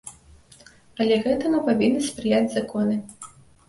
Але гэтаму павінны спрыяць законы.